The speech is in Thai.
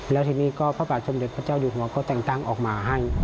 แล้วทีนี้ก็พระบาทสมเด็จพระเจ้าอยู่หัวก็แต่งตั้งออกมาให้